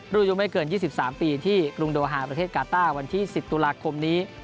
อายุไม่เกิน๒๓ปีที่กรุงโดฮาประเทศกาต้าวันที่๑๐ตุลาคมนี้